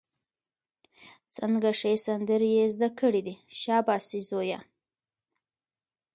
څنګه ښې سندرې یې زده کړې دي، شابسي زویه!